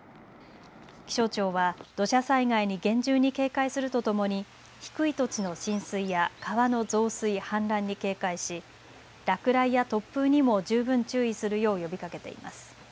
気象庁は土砂災害に厳重に警戒するとともに低い土地の浸水や川の増水、氾濫に警戒し落雷や突風にも十分注意するよう呼びかけています。